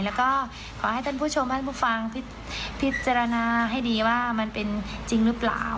แล้วก็ขอให้ท่านผู้ชมท่านผู้ฟังพิจารณาให้ดีว่ามันเป็นจริงหรือเปล่า